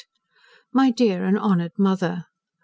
"My dear and honoured mother!